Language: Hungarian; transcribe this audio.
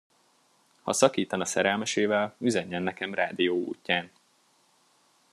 Ha szakítana szerelmesével, üzenjen nekem rádió útján.